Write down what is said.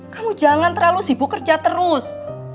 kamu jangan terlalu sibuk kerja terus